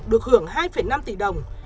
được hưởng hai năm tỷ đồng